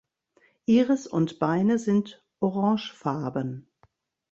Iris und Beine sind orangefarben.